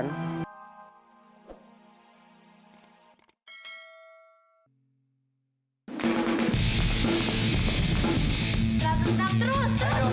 langsung langsung terus terus